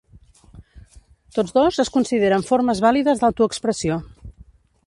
Tots dos es consideren formes vàlides d'autoexpressió.